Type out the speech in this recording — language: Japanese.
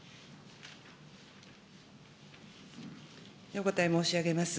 お答え申し上げます。